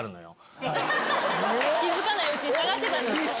気付かないうちに探してたんですね。